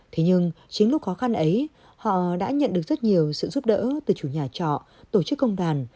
thế nhưng chính lúc khó khăn ấy họ đã nhận được rất nhiều sự giúp đỡ từ chủ nhà trọ tổ chức công đoàn